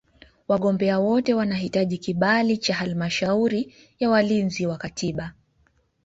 Wagombea wote wanahitaji kibali cha Halmashauri ya Walinzi wa Katiba.